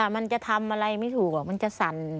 มันจะทำอะไรไม่ถูกมันจะสั่น